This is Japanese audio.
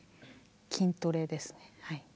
筋トレですね。